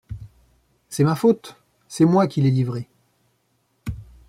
C’est ma faute, c’est moi qui l’ai livré.